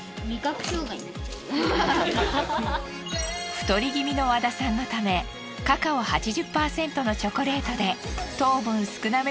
太り気味の和田さんのためカカオ８０％のチョコレートで。